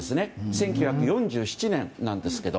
１９４７年なんですけど。